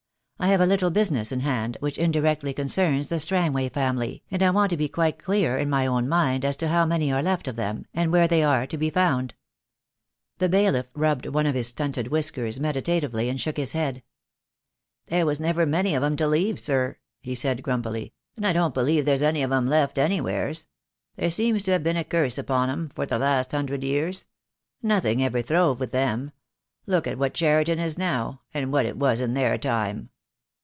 I have a little business in hand, which indirectly concerns the Strangway family, and I want to be quite clear in my own mind as to how many are left of them, and where they are to be found." The bailiff rubbed one of his stunted whiskers medi tatively, and shook his head. "There was never many of 'em to leave, sir," he said, grumpily, "and 1 don't believe there's any of 'em left any wheres. There seems to have been a curse upon 'em, for the last hundred years. Nothing ever throve with them. Look at what Cheriton is now, and what it was in their time."